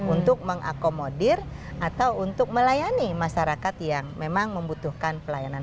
untuk mengakomodir atau untuk melayani masyarakat yang memang membutuhkan pelayanan